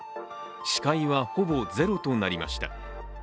視界はほぼゼロとなりました。